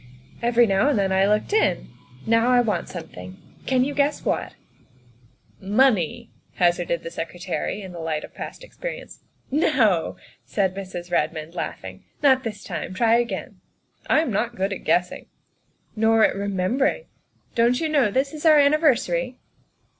Every now and then I looked in. Now I want something can you guess what?" 74 THE WIFE OF " Money," hazarded the Secretary, in the light of past experience. " No," said Mrs. Redmond, laughing, " not this time. Try again." " I am not good at guessing." " Nor at remembering. Don't you know this is our anniversary